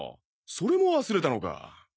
それも忘れたのか。